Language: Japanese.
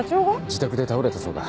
自宅で倒れたそうだ。